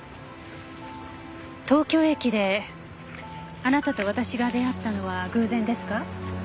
東京駅であなたと私が出会ったのは偶然ですか？